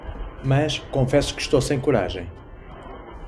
Mas, confesso que estou sem coragem